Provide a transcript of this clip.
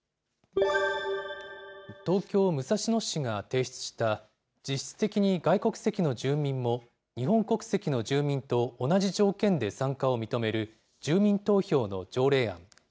東京・武蔵野市が提出した、実質的に外国籍の住民も、日本国籍の住民と同じ条件で参加を認める住民投票の条例案。